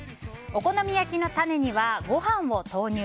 お好み焼きのタネにはご飯を投入。